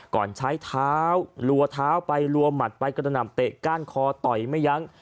ก่อนใช้เท้ารัวเท้าไปรัวหมัดไปกระหน่ำเตะก้านคอต่อยไม่ยั้ง